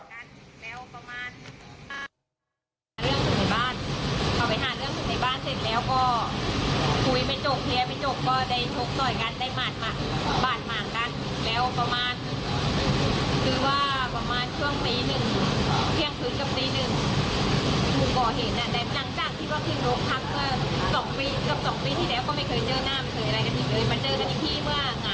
พูดมาที่เมื่องานพวดนะครับ